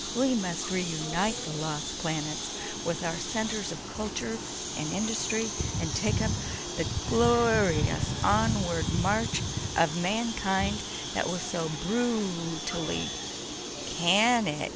"We must reunite the lost planets with our centers of culture and industry, and take up the glor ious onward march of mankind that was so bru tally—" "Can it!"